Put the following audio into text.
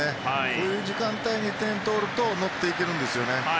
こういう時間帯で点を取れると乗っていけるんですよね。